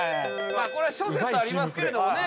これは諸説ありますけれどもね